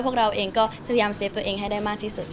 พวกเราเองก็พยายามเซฟตัวเองให้ได้มากที่สุด